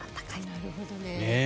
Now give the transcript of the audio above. なるほどね。